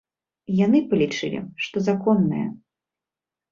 Яны палічылі, што законнае.